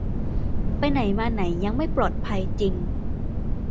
ไปไหนมาไหนยังไม่ปลอดภัยจริง